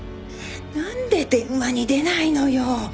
なんで電話に出ないのよ！